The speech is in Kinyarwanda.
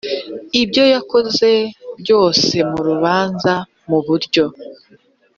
ibyo yakoze byose mu rubanza mu buryo